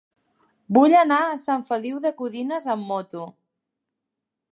Vull anar a Sant Feliu de Codines amb moto.